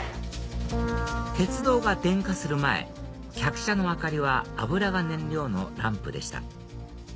鉄道が電化する前客車の明かりは油が燃料のランプでした